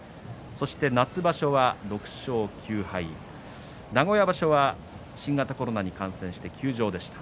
夏場所は６勝９敗名古屋場所は新型コロナに感染して休場でした。